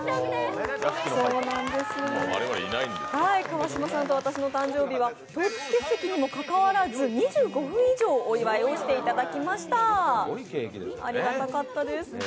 川島さんと私の誕生日は当日欠席にもかかわらず、２５分以上お祝いをしていただきました、ありがたかったです。